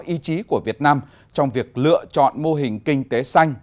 ý chí của việt nam trong việc lựa chọn mô hình kinh tế xanh